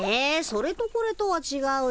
それとこれとはちがうよ。